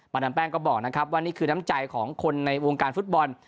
ดามแป้งก็บอกนะครับว่านี่คือน้ำใจของคนในวงการฟุตบอล